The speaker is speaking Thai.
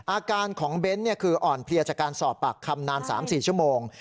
อาการของเบนซ์เนี่ยคืออ่อนเพลียจากการสอบปากคำนานสามสี่ชั่วโมง